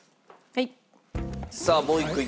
はい。